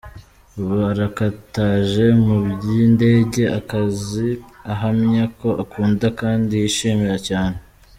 Ubu arakataje mu by’indege, akazi ahamya ko akunda kandi yishimira cyane.